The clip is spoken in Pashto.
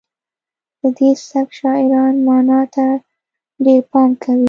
د دې سبک شاعران معنا ته ډیر پام کوي